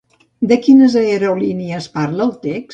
De quines aerolínies parla el text?